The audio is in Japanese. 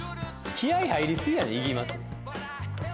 気合い入りすぎやねん「いぎます」